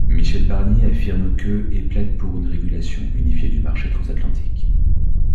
Michel Barnier affirme que et plaide pour une régulation unifiée du marché transatlantique.